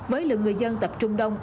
với lượng người dân tập trung đông